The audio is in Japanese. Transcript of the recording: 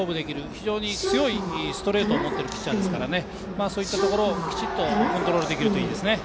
非常に強いストレートを持ってるピッチャーですからそういったところきちっとコントロールできるといいですね。